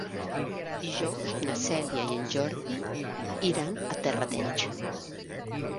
Dijous na Cèlia i en Jordi iran a Terrateig.